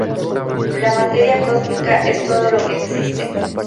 La materia cósmica es todo lo que existe.